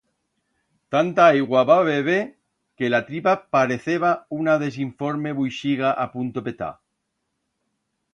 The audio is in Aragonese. Tanta aigua va beber que la tripa pareceba una desinforme vuixiga a punto petar.